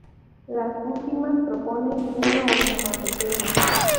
Las últimas proponen una onomatopeya.